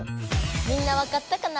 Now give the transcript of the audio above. みんなわかったかな？